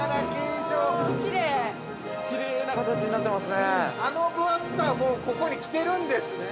◆きれいな形になっていますね。